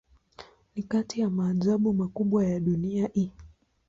Ni kati ya maajabu makubwa ya dunia hii.